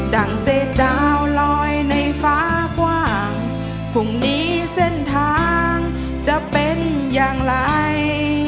ั่งเศษดาวลอยในฟ้ากว้างพรุ่งนี้เส้นทางจะเป็นอย่างไร